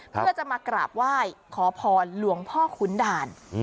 เพื่อจะมากราบไหว้ขอพรหลวงพ่อขุนด่าน